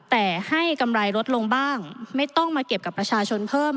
แต่ให้กำไรลดลงบ้างไม่ต้องมาเก็บกับประชาชนเพิ่ม